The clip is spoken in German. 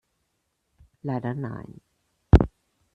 Leider nein.